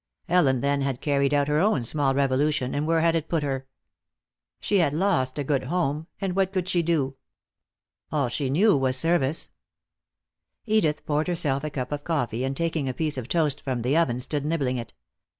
Ellen then had carried out her own small revolution, and where had it put her? She had lost a good home, and what could she do? All she knew was service. Edith poured herself a cup of coffee, and taking a piece of toast from the oven, stood nibbling it.